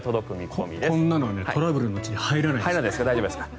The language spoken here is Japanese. こんなのはトラブルのうちに入らないです。